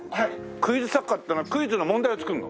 クイズ作家っていうのはクイズの問題を作るの？